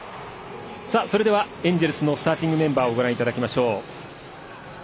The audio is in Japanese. それではエンジェルスのスターティングメンバーをご覧いただきましょう。